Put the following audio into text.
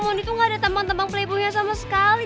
mondi tuh gak ada tembang tembang playboy nya sama sekali